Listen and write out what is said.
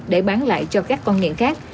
để bán lại cho các con nghiện khác